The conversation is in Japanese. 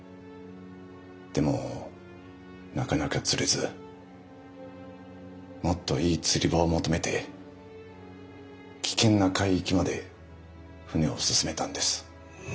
でもなかなか釣れずもっといい釣り場を求めて危険な海域まで船を進めたんです。